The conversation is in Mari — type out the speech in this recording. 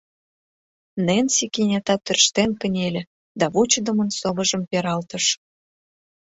Ненси кенета тӧрштен кынеле да вучыдымын совыжым пералтыш: